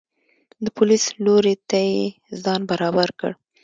د پولیس لوري ته یې ځان برابر کړ.